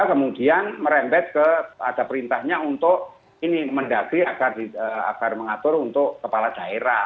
kemudian merembet ke ada perintahnya untuk ini mendagri agar mengatur untuk kepala daerah